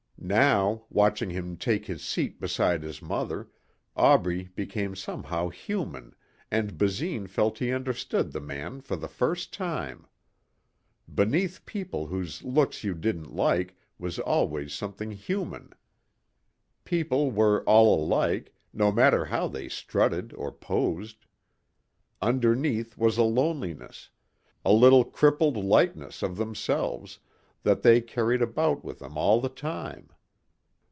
Now, watching him take his seat beside his mother, Aubrey became somehow human and Basine felt he understood the man for the first time. Beneath people whose looks you didn't like was always something human. People were all alike, no matter how they strutted or posed. Underneath was a loneliness a little crippled likeness of themselves that they carried about with them all the time.